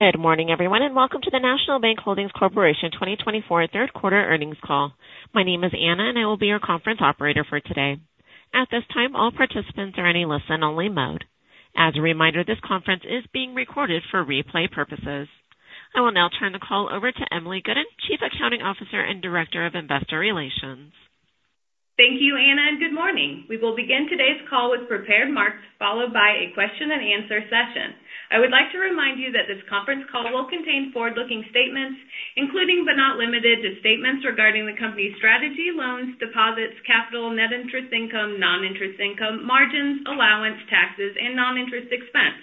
Good morning, everyone, and welcome to the National Bank Holdings Corporation 2024 third quarter earnings call. My name is Anna, and I will be your conference operator for today. At this time, all participants are in a listen-only mode. As a reminder, this conference is being recorded for replay purposes. I will now turn the call over to Emily Gooden, Chief Accounting Officer and Director of Investor Relations. Thank you, Anna, and good morning! We will begin today's call with prepared remarks, followed by a question and answer session. I would like to remind you that this conference call will contain forward-looking statements, including but not limited to statements regarding the company's strategy, loans, deposits, capital, net interest income, non-interest income, margins, allowance, taxes, and non-interest expense.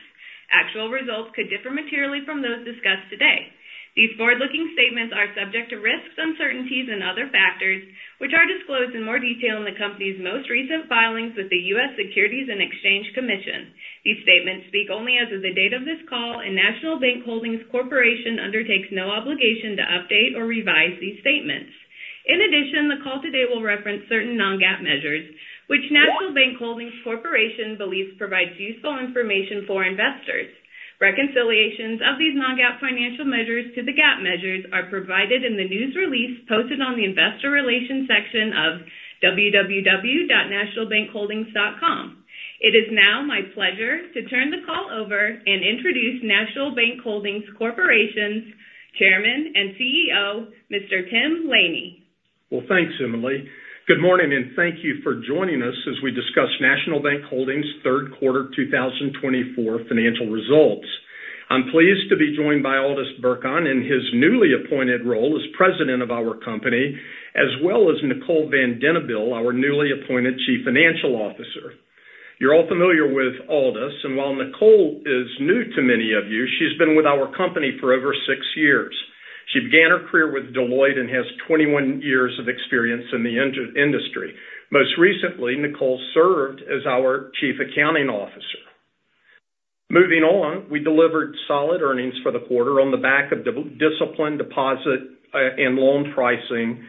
Actual results could differ materially from those discussed today. These forward-looking statements are subject to risks, uncertainties and other factors, which are disclosed in more detail in the company's most recent filings with the U.S. Securities and Exchange Commission. These statements speak only as of the date of this call, and National Bank Holdings Corporation undertakes no obligation to update or revise these statements. In addition, the call today will reference certain non-GAAP measures, which National Bank Holdings Corporation believes provides useful information for investors. Reconciliations of these non-GAAP financial measures to the GAAP measures are provided in the news release posted on the investor relations section of www.nationalbankholdings.com. It is now my pleasure to turn the call over and introduce National Bank Holdings Corporation's Chairman and CEO, Mr. Tim Laney. Thanks, Emily. Good morning, and thank you for joining us as we discuss National Bank Holdings' third quarter 2024 financial results. I'm pleased to be joined by Aldis Birkans in his newly appointed role as President of our company, as well as Nicole Van Denabeele, our newly appointed Chief Financial Officer. You're all familiar with Aldis, and while Nicole is new to many of you, she's been with our company for over six years. She began her career with Deloitte and has twenty-one years of experience in the industry. Most recently, Nicole served as our Chief Accounting Officer. Moving on, we delivered solid earnings for the quarter on the back of disciplined deposit and loan pricing,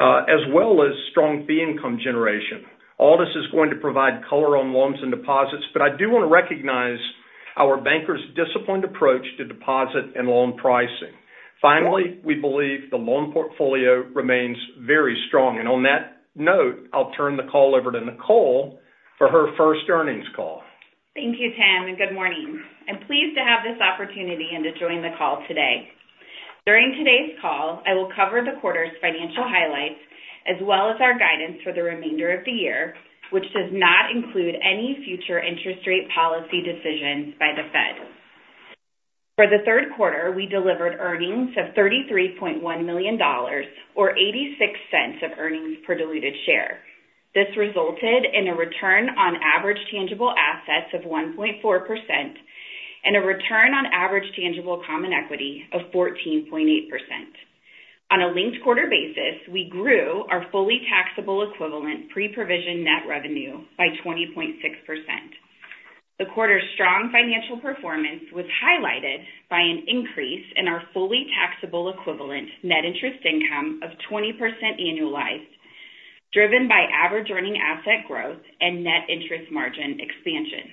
as well as strong fee income generation. Aldis is going to provide color on loans and deposits, but I do want to recognize our bankers' disciplined approach to deposit and loan pricing. Finally, we believe the loan portfolio remains very strong, and on that note, I'll turn the call over to Nicole for her first earnings call. Thank you, Tim, and good morning. I'm pleased to have this opportunity and to join the call today. During today's call, I will cover the quarter's financial highlights as well as our guidance for the remainder of the year, which does not include any future interest rate policy decisions by the Fed. For the third quarter, we delivered earnings of $33.1 million or $0.86 of earnings per diluted share. This resulted in a return on average tangible assets of 1.4% and a return on average tangible common equity of 14.8%. On a linked quarter basis, we grew our fully taxable equivalent pre-provision net revenue by 20.6%. The quarter's strong financial performance was highlighted by an increase in our fully taxable equivalent net interest income of 20% annualized, driven by average earning asset growth and net interest margin expansion.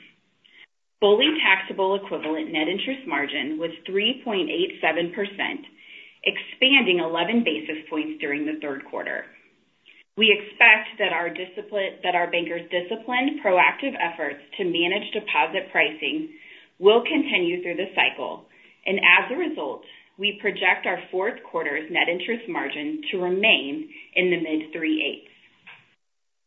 Fully taxable equivalent net interest margin was 3.87%, expanding 11 basis points during the third quarter. We expect that our bankers' disciplined, proactive efforts to manage deposit pricing will continue through the cycle, and as a result, we project our fourth quarter's net interest margin to remain in the mid 3/8.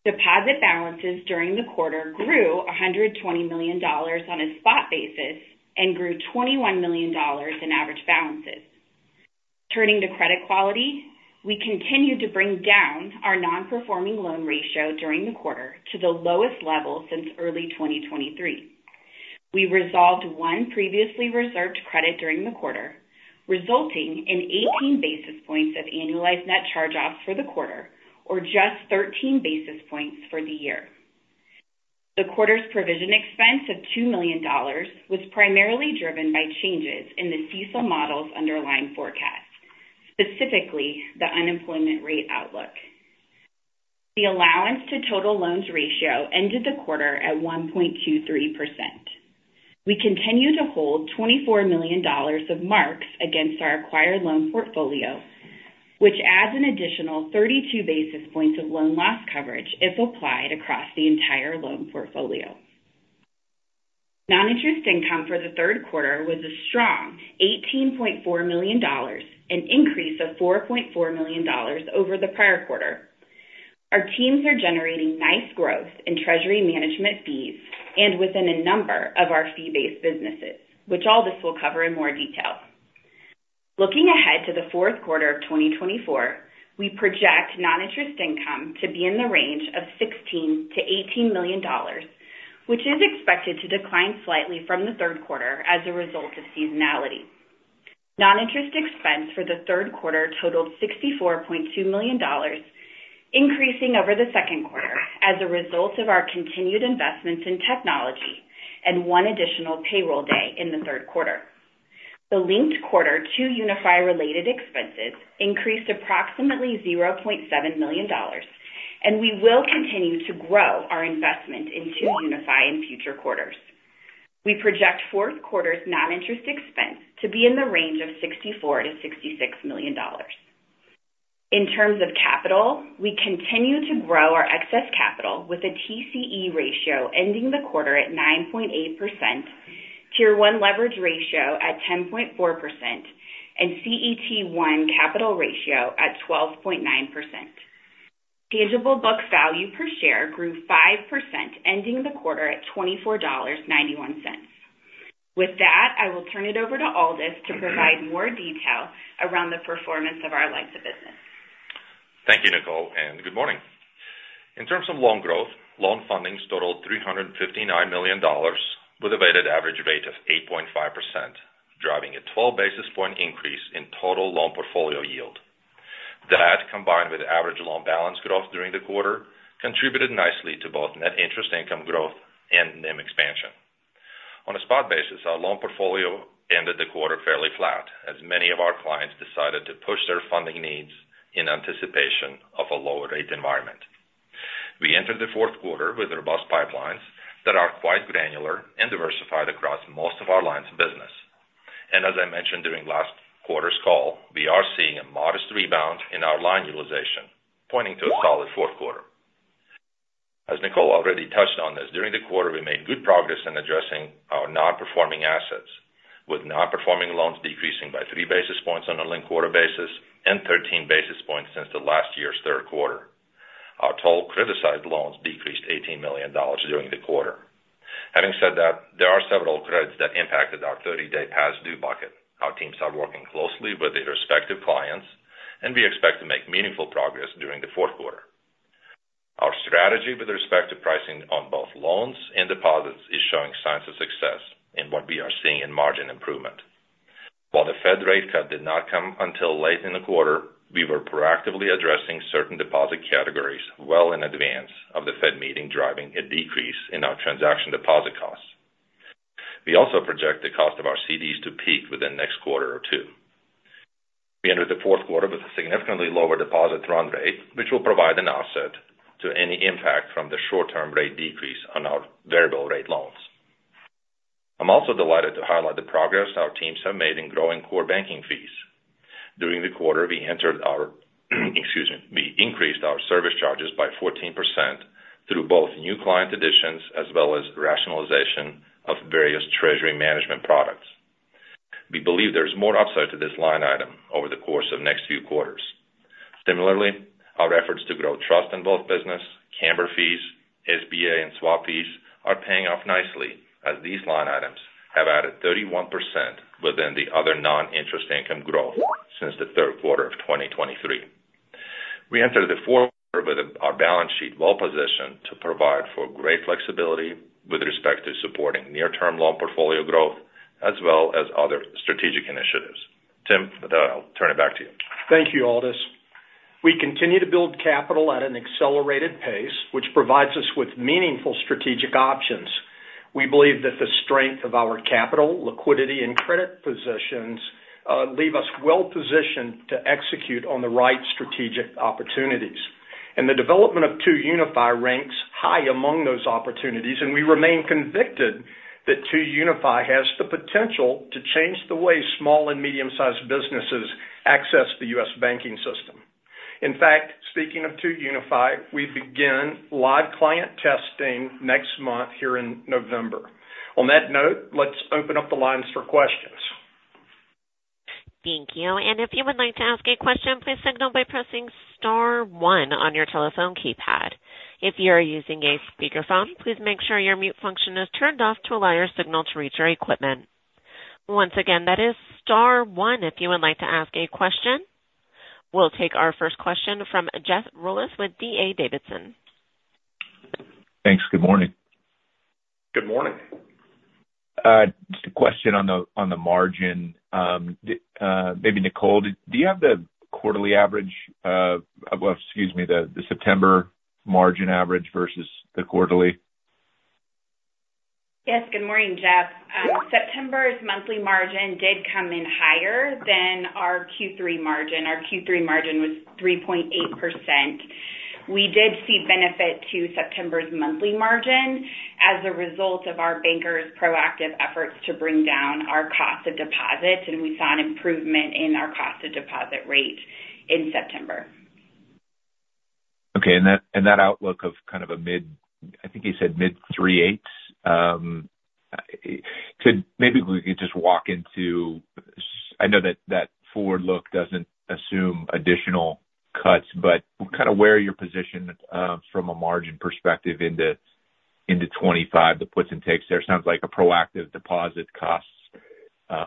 Deposit balances during the quarter grew $120 million on a spot basis and grew $21 million in average balances. Turning to credit quality, we continued to bring down our non-performing loan ratio during the quarter to the lowest level since early 2023. We resolved one previously reserved credit during the quarter, resulting in 18 basis points of annualized net charge-offs for the quarter or just 13 basis points for the year. The quarter's provision expense of $2 million was primarily driven by changes in the CECL model's underlying forecast, specifically the unemployment rate outlook. The allowance to total loans ratio ended the quarter at 1.23%. We continue to hold $24 million of marks against our acquired loan portfolio, which adds an additional 32 basis points of loan loss coverage if applied across the entire loan portfolio. Non-interest income for the third quarter was a strong $18.4 million, an increase of $4.4 million over the prior quarter. Our teams are generating nice growth in treasury management fees and within a number of our fee-based businesses, which Aldis will cover in more detail. Looking ahead to the fourth quarter of 2024, we project non-interest income to be in the range of $16 million-$18 million, which is expected to decline slightly from the third quarter as a result of seasonality. Non-interest expense for the third quarter totaled $64.2 million, increasing over the second quarter as a result of our continued investments in technology and one additional payroll day in the third quarter. The linked quarter 2UniFi related expenses increased approximately $0.7 million and we will continue to grow our investment in 2UniFi in future quarters. We project fourth quarter's non-interest expense to be in the range of $64 million-$66 million. In terms of capital, we continue to grow our excess capital with a TCE ratio ending the quarter at 9.8%, Tier 1 leverage ratio at 10.4%, and CET1 capital ratio at 12.9%. Tangible book value per share grew 5%, ending the quarter at $24.91. With that, I will turn it over to Aldis to provide more detail around the performance of our lines of business. Thank you, Nicole, and good morning. In terms of loan growth, loan fundings totaled $359 million with a weighted average rate of 8.5%, driving a 12 basis point increase in total loan portfolio yield. That, combined with average loan balance growth during the quarter, contributed nicely to both net interest income growth and NIM expansion. On a spot basis, our loan portfolio ended the quarter fairly flat, as many of our clients decided to push their funding needs in anticipation of a lower rate environment. We entered the fourth quarter with robust pipelines that are quite granular and diversified across most of our lines of business. And as I mentioned during last quarter's call, we are seeing a modest rebound in our line utilization, pointing to a solid fourth quarter. As Nicole already touched on this, during the quarter, we made good progress in addressing our non-performing assets, with non-performing loans decreasing by three basis points on a linked quarter basis and 13 basis points since the last year's third quarter. Our total criticized loans decreased $18 million during the quarter. Having said that, there are several credits that impacted our thirty-day past due bucket. Our teams are working closely with their respective clients, and we expect to make meaningful progress during the fourth quarter. Our strategy with respect to pricing on both loans and deposits is showing signs of success in what we are seeing in margin improvement. While the Fed rate cut did not come until late in the quarter, we were proactively addressing certain deposit categories well in advance of the Fed meeting, driving a decrease in our transaction deposit costs. We also project the cost of our CDs to peak within the next quarter or two. We entered the fourth quarter with a significantly lower deposit run rate, which will provide an offset to any impact from the short-term rate decrease on our variable rate loans. I'm also delighted to highlight the progress our teams have made in growing core banking fees. During the quarter, we increased our service charges by 14% through both new client additions as well as rationalization of various treasury management products. We believe there is more upside to this line item over the course of next few quarters. Similarly, our efforts to grow trust in both business, Camber fees, SBA and swap fees, are paying off nicely as these line items have added 31% within the other non-interest income growth since the third quarter of 2023. We entered the fourth with our balance sheet well-positioned to provide for great flexibility with respect to supporting near-term loan portfolio growth as well as other strategic initiatives. Tim, with that, I'll turn it back to you. Thank you, Aldis. We continue to build capital at an accelerated pace, which provides us with meaningful strategic options. We believe that the strength of our capital, liquidity, and credit positions leave us well positioned to execute on the right strategic opportunities, and the development of 2UniFi ranks high among those opportunities, and we remain convicted that 2UniFi has the potential to change the way small and medium-sized businesses access the U.S. banking system. In fact, speaking of 2UniFi, we begin live client testing next month here in November. On that note, let's open up the lines for questions. Thank you. And if you would like "to ask a question, please signal by pressing star one" on your telephone keypad. If you are using a speakerphone, please make sure your mute function is turned off to allow your signal to reach our equipment. Once again, that is star one if you would like to ask a question. We'll take our first question from Jeff Rulis with D.A. Davidson. Thanks. Good morning. Good morning. Just a question on the margin. Maybe Nicole, do you have the quarterly average, well, excuse me, the September margin average versus the quarterly? Yes, good morning, Jeff. September's monthly margin did come in higher than our Q3 margin. Our Q3 margin was 3.8%. We did see benefit to September's monthly margin as a result of our bankers' proactive efforts to bring down our cost of deposits, and we saw an improvement in our cost of deposit rate in September. Okay, and that outlook of kind of a mid, I think you said mid 3/8. Could we maybe just walk into. I know that that forward look doesn't assume additional cuts, but kind of where are your position from a margin perspective into 2025, the puts and takes there? Sounds like a proactive deposit costs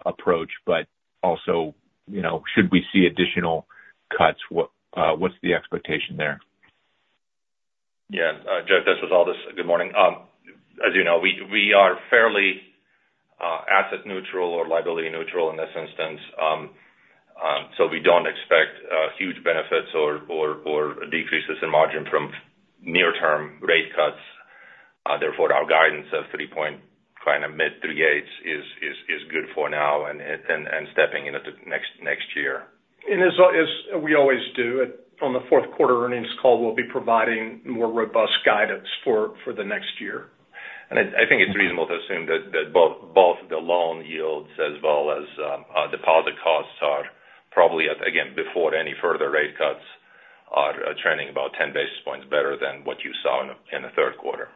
approach, but also, you know, should we see additional cuts, what what's the expectation there? Yeah, Jeff, this is Aldis. Good morning. As you know, we are fairly asset neutral or liability neutral in this instance. So we don't expect huge benefits or decreases in margin from near-term rate cuts. Therefore our guidance of three point, kind of mid 3/8 is good for now and stepping into next year. As we always do, on the fourth quarter earnings call, we'll be providing more robust guidance for the next year. I think it's reasonable to assume that both the loan yields as well as deposit costs are probably, again before any further rate cuts, trending about 10 basis points better than what you saw in the third quarter.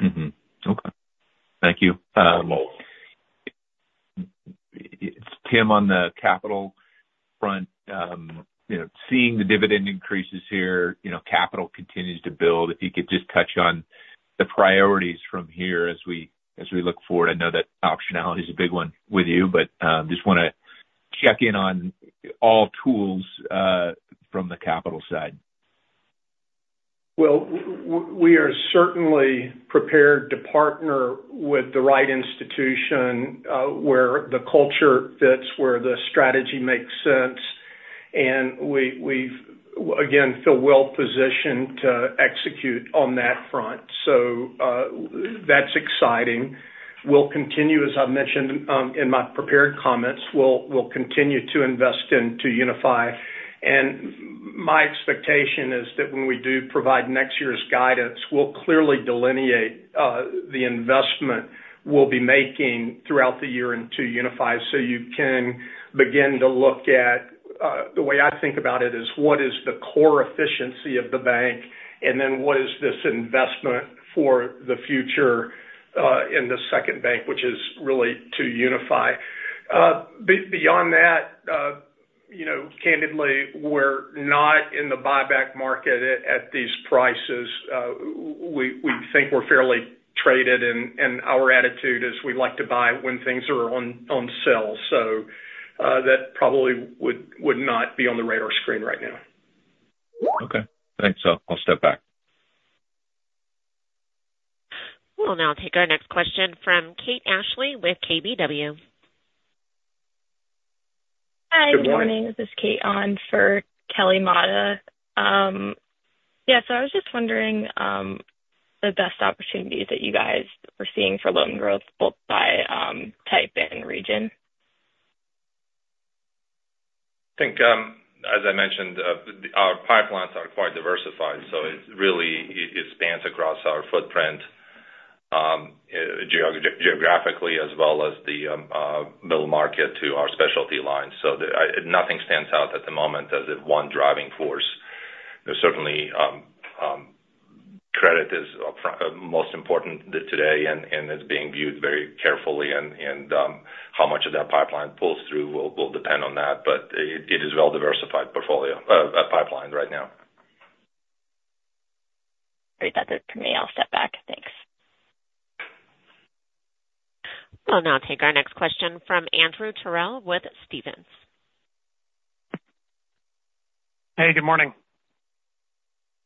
Mm-hmm. Okay. Thank you. You're welcome. Tim, on the capital front, you know, seeing the dividend increases here, you know, capital continues to build. If you could just touch on the priorities from here as we look forward. I know that optionality is a big one with you, but, just wanna check in on all tools, from the capital side. We are certainly prepared to partner with the right institution, where the culture fits, where the strategy makes sense, and we again feel well positioned to execute on that front. So, that's exciting. We'll continue, as I've mentioned, in my prepared comments, we'll continue to invest in 2UniFi. And my expectation is that when we do provide next year's guidance, we'll clearly delineate the investment we'll be making throughout the year in 2UniFi. So you can begin to look at the way I think about it is, what is the core efficiency of the bank? And then what is this investment for the future in the second bank, which is really 2UniFi. Beyond that, you know, candidly, we're not in the buyback market at these prices. We think we're fairly traded, and our attitude is we like to buy when things are on sale. So, that probably would not be on the radar screen right now. Okay. Thanks. So I'll step back. We'll now take our next question from Kate Ashley with KBW. Hi, Good morning. Good morning. This is Kate on for Kelly Motta. Yeah, so I was just wondering, the best opportunities that you guys are seeing for loan growth, both by type and region? I think, as I mentioned, our pipelines are quite diversified, so it really spans across our footprint, geographically, as well as the middle market to our specialty lines. So nothing stands out at the moment as the one driving force. There's certainly credit is up front, most important today, and it's being viewed very carefully, and how much of that pipeline pulls through will depend on that, but it is well-diversified portfolio, pipeline right now. Great. That's it for me. I'll step back. Thanks. We'll now take our next question from Andrew Terrell with Stephens. Hey, good morning.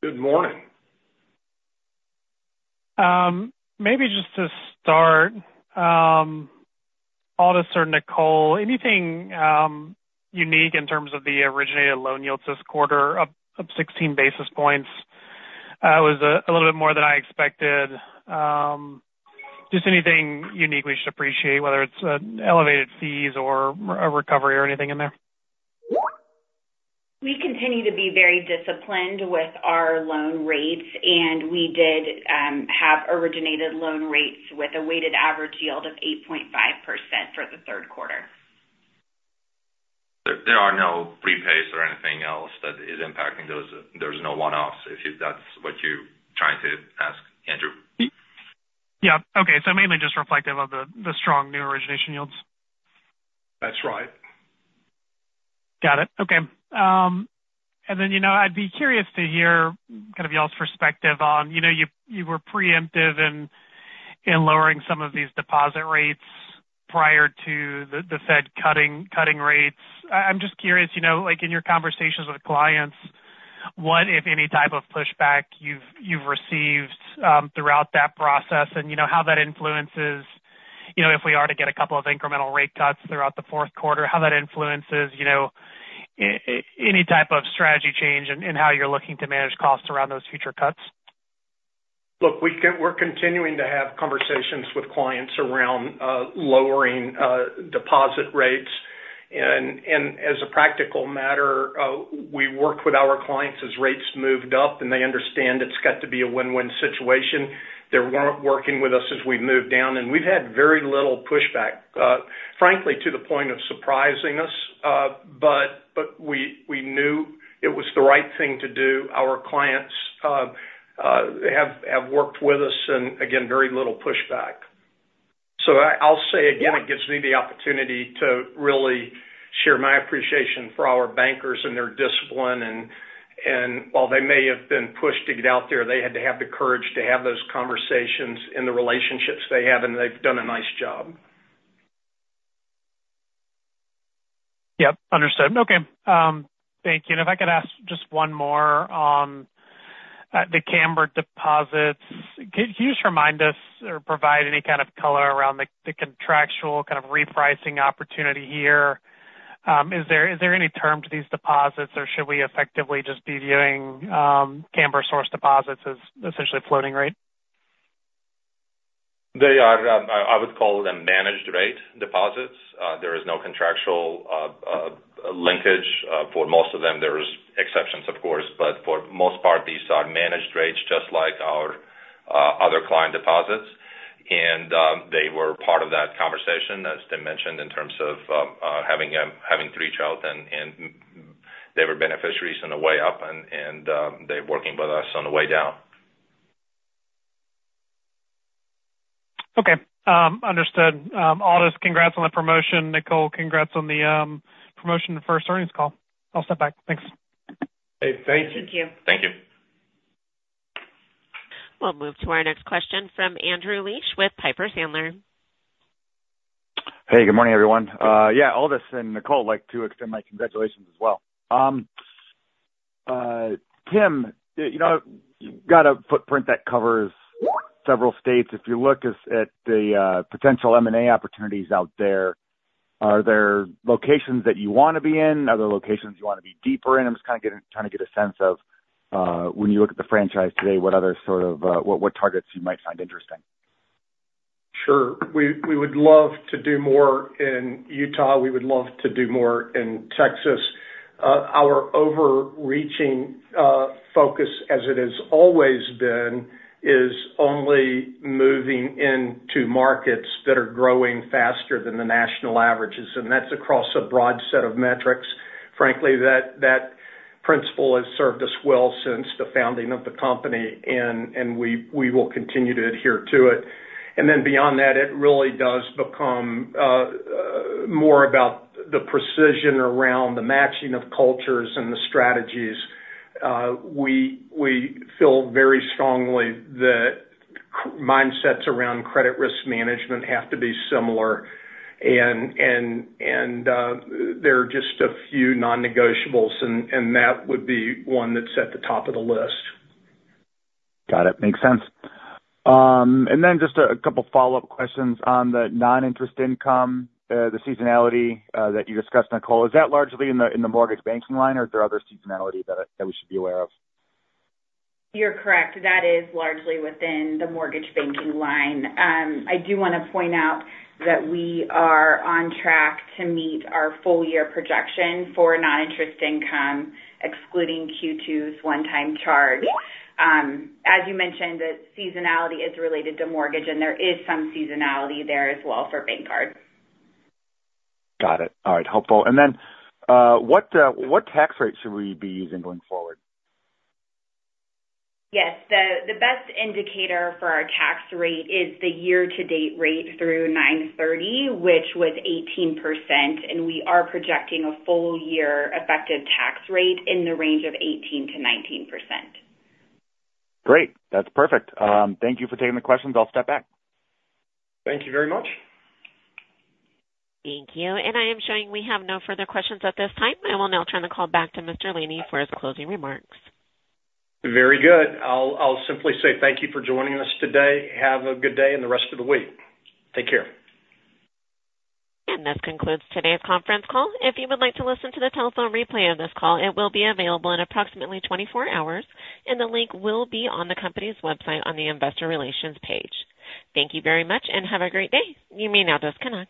Good morning. Maybe just to start, Aldis or Nicole, anything unique in terms of the originated loan yields this quarter, up 16 basis points? It was a little bit more than I expected. Just anything unique we should appreciate, whether it's elevated fees or a recovery or anything in there? We continue to be very disciplined with our loan rates, and we did have originated loan rates with a weighted average yield of 8.5% for the third quarter. There are no prepays or anything else that is impacting those. There's no one-offs, if that's what you're trying to ask, Andrew. Yep. Okay. So mainly just reflective of the strong new origination yields? That's right. Got it. Okay. And then, you know, I'd be curious to hear kind of y'all's perspective on, you know, you were preemptive in lowering some of these deposit rates prior to the Fed cutting rates. I'm just curious, you know, like, in your conversations with clients, what, if any, type of pushback you've received throughout that process? And you know, how that influences, you know, if we are to get a couple of incremental rate cuts throughout the fourth quarter, how that influences, you know, any type of strategy change in how you're looking to manage costs around those future cuts? Look, we're continuing to have conversations with clients around lowering deposit rates, and as a practical matter, we worked with our clients as rates moved up, and they understand it's got to be a win-win situation. They're working with us as we move down, and we've had very little pushback, frankly, to the point of surprising us, but we knew it was the right thing to do. Our clients have worked with us, and again, very little pushback, so I'll say again, it gives me the opportunity to really share my appreciation for our bankers and their discipline, and while they may have been pushed to get out there, they had to have the courage to have those conversations and the relationships they have, and they've done a nice job. Yep. Understood. Okay. Thank you. And if I could ask just one more on the Camber deposits. Can you just remind us or provide any kind of color around the contractual kind of repricing opportunity here? Is there any term to these deposits, or should we effectively just be viewing Camber-sourced deposits as essentially a floating rate? They are, I would call them managed rate deposits. There is no contractual linkage for most of them. There is exceptions, of course, but for the most part, these are managed rates, just like our other client deposits. And they were part of that conversation, as Tim mentioned, in terms of having three children, and they were beneficiaries on the way up and they're working with us on the way down. Okay, understood. Aldis, congrats on the promotion. Nicole, congrats on the promotion, the first earnings call. I'll step back. Thanks. Hey, thank you. Thank you. Thank you. We'll move to our next question from Andrew Liesch with Piper Sandler. Hey, good morning, everyone. Yeah, Aldis and Nicole, I'd like to extend my congratulations as well. Tim, you know, you've got a footprint that covers several states. If you look at the potential M&A opportunities out there, are there locations that you want to be in, other locations you want to be deeper in? I'm just kind of trying to get a sense of, when you look at the franchise today, what other sort of, what targets you might find interesting. Sure. We would love to do more in Utah. We would love to do more in Texas. Our overarching focus, as it has always been, is only moving into markets that are growing faster than the national averages, and that's across a broad set of metrics. Frankly, that principle has served us well since the founding of the company, and we will continue to adhere to it. And then beyond that, it really does become more about the precision around the matching of cultures and the strategies. We feel very strongly that mindsets around credit risk management have to be similar and there are just a few non-negotiables, and that would be one that's at the top of the list. Got it. Makes sense. And then just a couple follow-up questions on the non-interest income, the seasonality that you discussed, Nicole. Is that largely in the mortgage banking line, or are there other seasonality that we should be aware of? You're correct. That is largely within the mortgage banking line. I do want to point out that we are on track to meet our full year projection for non-interest income, excluding Q2's one-time charge. As you mentioned, the seasonality is related to mortgage, and there is some seasonality there as well for bank cards. Got it. All right. Helpful. And then, what tax rate should we be using going forward? Yes. The best indicator for our tax rate is the year-to-date rate through September 30, which was 18%, and we are projecting a full year effective tax rate in the range of 18%-19%. Great! That's perfect. Thank you for taking the questions. I'll step back. Thank you very much. Thank you. And I am showing we have no further questions at this time. I will now turn the call back to Mr. Laney for his closing remarks. Very good. I'll simply say thank you for joining us today. Have a good day and the rest of the week. Take care. And this concludes today's conference call. If you would like to listen to the telephone replay of this call, it will be available in approximately twenty-four hours, and the link will be on the company's website on the Investor Relations page. Thank you very much and have a great day. You may now disconnect.